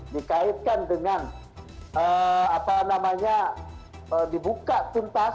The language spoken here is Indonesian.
dikaitkan dengan apa namanya dibuka tuntas